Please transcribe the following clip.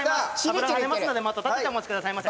油が跳ねますのでマット立ててお待ちくださいませ。